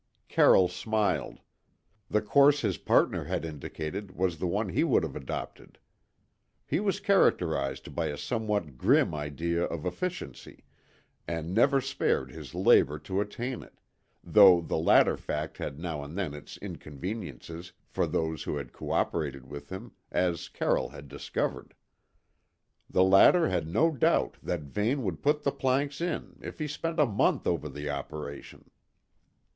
Carroll smiled. The course his partner had indicated was the one he would have adopted. He was characterised by a somewhat grim idea of efficiency, and never spared his labour to attain it, though the latter fact had now and then its inconveniences for those who had co operated with him, as Carroll had discovered. The latter had no doubt that Vane would put the planks in, if he spent a month over the operation.